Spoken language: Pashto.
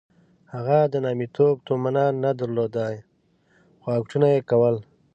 هغه د نامیتوب تومنه نه درلوده خو اکټونه یې کول.